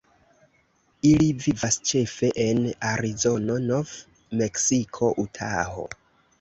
Ili vivas ĉefe en Arizono, Nov-Meksiko, Utaho.